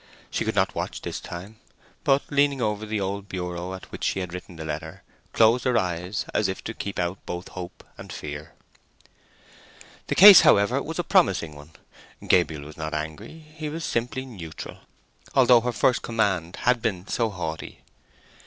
She could not watch this time, but, leaning over the old bureau at which she had written the letter, closed her eyes, as if to keep out both hope and fear. The case, however, was a promising one. Gabriel was not angry: he was simply neutral, although her first command had been so haughty.